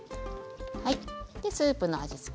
スープの味付け